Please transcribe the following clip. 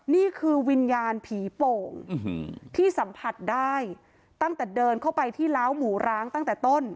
นี่คือวิญญาณผีโป่งที่สัมผัสได้ตั้งแต่เดินเข้าไปที่ล้าวหมูร้างตั้งแต่ต้น